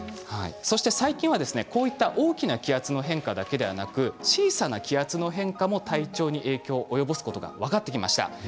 そして最近ではこういった大きな気圧の変化だけではなく小さな気圧の変化も体調に影響を及ぼすことが分かってきました。